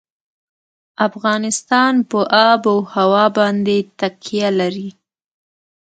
افغانستان په آب وهوا باندې تکیه لري.